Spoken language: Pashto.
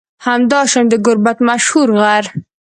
همداشان د گربت مشهور غر